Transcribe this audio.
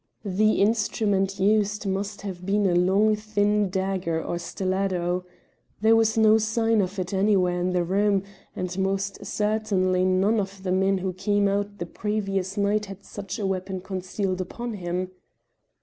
The instrument used must have been a long thin dagger or stiletto. There was no sign of it anywhere in the room, and most certainly none of the men who came out the previous night had such a weapon concealed upon him.